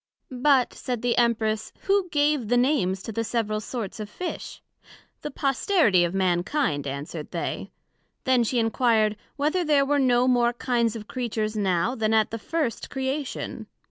But, said the Empress, who gave the Names to the several sorts of Fish? The posterity of Mankind, answered they. Then she enquired, Whether there were no more kinds of Creatures now, then at the first Creation?